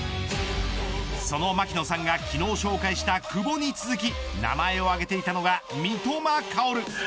その槙野さんが昨日紹介した久保に続き名前を挙げていたのが三笘薫。